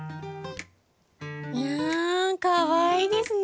いやかわいいですね。